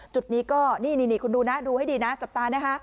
จุดนี้ก็นี่คุณดูนะดูให้ดีนะจับตานะคะ